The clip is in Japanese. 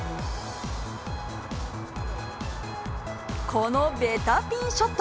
このベタピンショット。